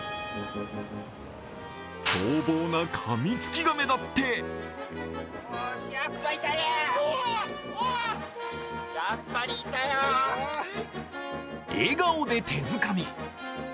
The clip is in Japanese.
凶暴なカミツキガメだって笑顔で手づかみ。